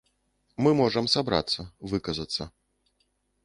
Мы можам сабрацца, выказацца.